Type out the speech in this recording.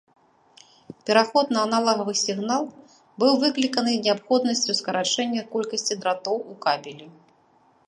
Пераход на аналагавы сігнал быў выкліканы неабходнасцю скарачэння колькасці дратоў у кабелі.